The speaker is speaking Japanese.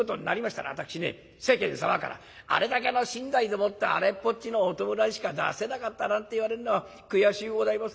私ね世間様からあれだけの身代でもってあれっぽっちのお葬式しか出せなかったなんて言われるのは悔しゅうございます。